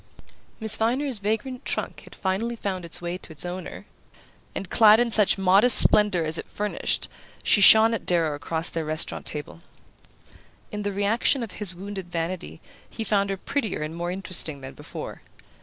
Miss Viner's vagrant trunk had finally found its way to its owner; and, clad in such modest splendour as it furnished, she shone at Darrow across their restaurant table. In the reaction of his wounded vanity he found her prettier and more interesting than before.